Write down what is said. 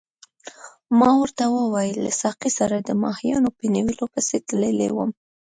ما ورته وویل له ساقي سره د ماهیانو په نیولو پسې تللی وم.